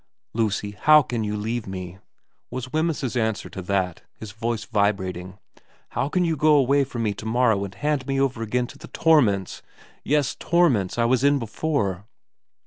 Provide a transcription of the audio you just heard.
' Lucy, how can you leave me,' was Wemyss's answer to that, his voice vibrating, ' how can you go away from me to morrow and hand me over again to the torments yes, torments, I was in before